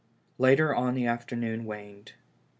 Later on the afternoon waned.